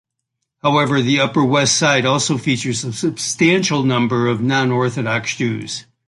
However, the Upper West Side also features a substantial number of non-Orthodox Jews.